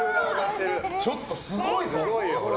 ちょっとすごいぞ。